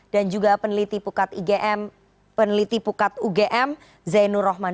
dan juga peneliti pukat ugm zainul rohman